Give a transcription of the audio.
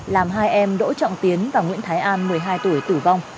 làm hai em đỗ trọng tiến và nguyễn thái an một mươi hai tuổi tử vong